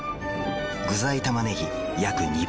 具材たまねぎ約２倍。